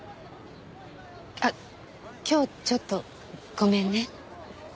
あっ今日ちょっとごめんね。